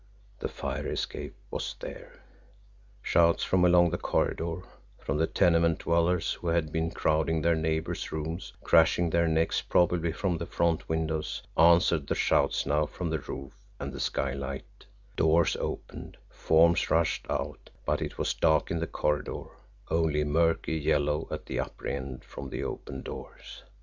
The fire escape was there. Shouts from along the corridor, from the tenement dwellers who had been crowding their neighbours' rooms, craning their necks probably from the front windows, answered the shouts now from the roof and the skylight; doors opened; forms rushed out but it was dark in the corridor, only a murky yellow at the upper end from the opened doors.